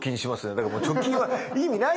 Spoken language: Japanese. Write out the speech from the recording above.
だからもう貯金は意味ないんですよ。